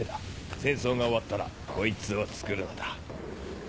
戦争が終わったらこいつをつくるのだ。